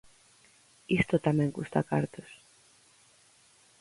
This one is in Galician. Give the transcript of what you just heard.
Isto tamén custa cartos.